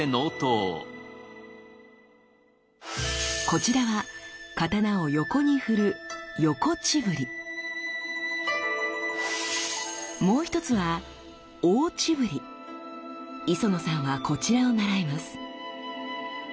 こちらは刀を横に振るもう一つは磯野さんはこちらを習います。